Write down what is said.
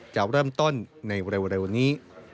จะเริ่มต้นในเร็วนี้